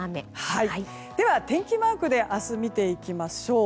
では天気マークで明日見ていきましょう。